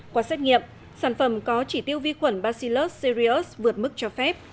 qua xét nghiệm sản phẩm có chỉ tiêu vi khuẩn bacillus serious vượt mức cho phép